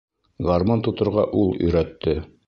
Гармун тоторға ул өйрәтте.